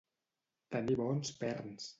Tenir bons perns.